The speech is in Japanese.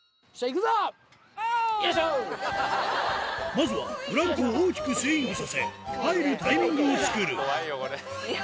まずはブランコを大きくスイングさせ入るタイミングを作る怖いよこれ。